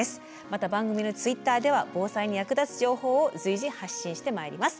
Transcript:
また番組のＴｗｉｔｔｅｒでは防災に役立つ情報を随時発信してまいります。